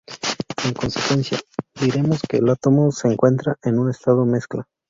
En consecuencia, diremos que el átomo se encuentra en un estado mezcla.